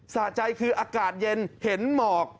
สะใจคืออากาศเย็นเห็นหมอก